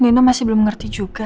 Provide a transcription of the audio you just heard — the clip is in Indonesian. nino masih belum ngerti juga